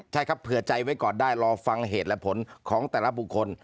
ใช่ครับเผื่อใจไว้ก่อนได้รอฟังเหตุและผลของแต่ละบุคคล